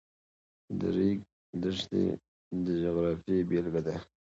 د ریګ دښتې د جغرافیې بېلګه ده.